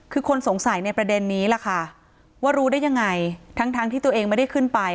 คือคนสงสัยในประเด็นนี้แหละค่ะว่ารู้ได้ยังไงทั้งทั้งที่ตัวเองไม่ได้ขึ้นไป